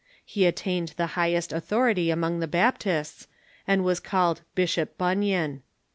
He attained the high est authority among the Baptists, and was called Bishop Bun yan.